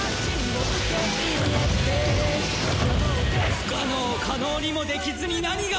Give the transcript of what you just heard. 不可能を可能にもできずに何が王か！